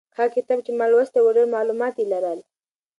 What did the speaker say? هغه کتاب چې ما لوستی و ډېر معلومات یې لرل.